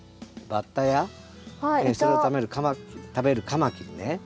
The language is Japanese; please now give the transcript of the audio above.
バッタやそれを食べるカマキリね